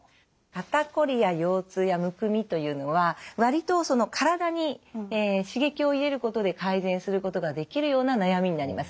肩こりや腰痛やむくみというのは割と体に刺激を入れることで改善することができるような悩みになります。